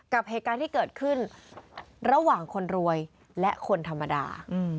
กับเหตุการณ์ที่เกิดขึ้นระหว่างคนรวยและคนธรรมดา